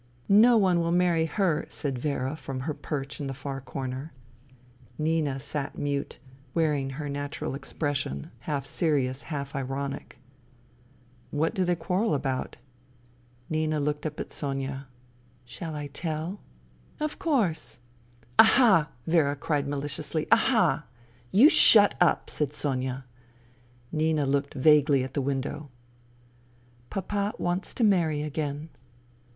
" No one will marry her," said Vera from her perch in the far corner. Nina sat mute, wearing her natural expression half serious, half ironic. " What do they quarrel about ?" Nina looked up at Sonia. " Shall I tell ?"" Of course." " Aha !" Vera cried maliciously. " Aha !"" You shut up !" said Sonia. Nina looked vaguely at the window. " Papa wants to marry again."